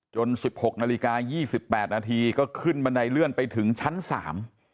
สิบหกนาฬิกายี่สิบแปดนาทีก็ขึ้นบันไดเลื่อนไปถึงชั้นสาม